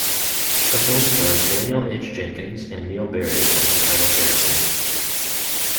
The film stars Daniel H. Jenkins and Neill Barry as the title characters.